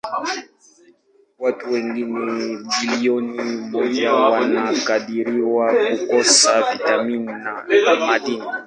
Watu wengine bilioni moja wanakadiriwa kukosa vitamini na madini.